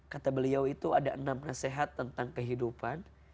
kata beliau itu ada enam nasihat tentang kehidupan